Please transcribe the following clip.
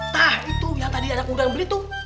nah itu yang tadi anak muda yang beli tuh